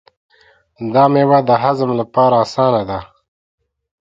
دا مېوه د هضم لپاره اسانه ده.